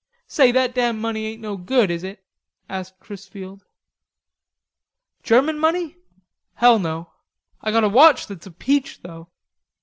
"Say, that damn money ain't no good, is it?" asked Chrisfield. "German money? Hell, no.... I got a watch that's a peach though."